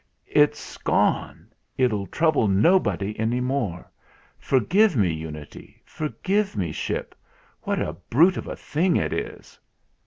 "It's gone! It'll trouble nobody any more. For give me, Unity. Forgive me, Ship! What a brute of a thing it is